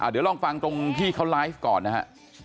เดี๋ยวลองฟังตรงที่เขาไลฟ์ก่อนนะฮะ